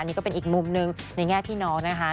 นี่ก็เป็นอีกมุมหนึ่งในแง่พี่น้องนะคะ